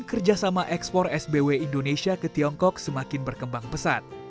kerjasama ekspor sbw indonesia ke tiongkok semakin berkembang pesat